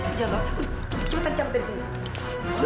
udah dong cepetan cepetan sini